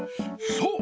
そう！